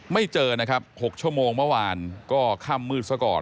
ไม่เจอนะครับ๖ชั่วโมงเมื่อวานก็ค่ำมืดซะก่อน